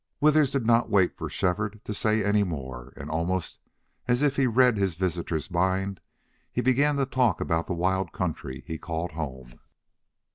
Withers did not wait for Shefford to say any more, and almost as if he read his visitor's mind he began to talk about the wild country he called home.